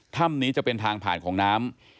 ถ้ำนี้จะเป็นทางผ่านของน้ำ